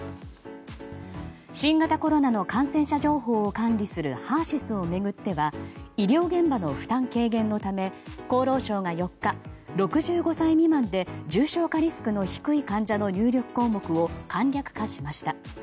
新型コロナの感染者情報を管理するＨＥＲ‐ＳＹＳを巡っては医療現場の負担軽減のため厚労省が４日、６５歳未満で重症化リスクの低い患者の入力項目を簡略化しました。